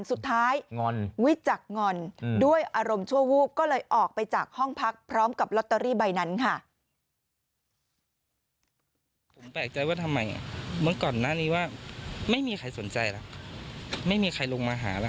สุดท้ายวิจักษ์งอนด้วยอารมณ์ชั่ววูบก็เลยออกไปจากห้องพักพร้อมกับลอตเตอรี่ใบนั้นค่ะ